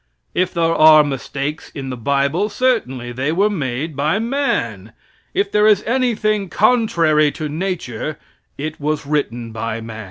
If there are mistakes in the bible, certainly they were made by man. If there is anything contrary to nature, it was written by man.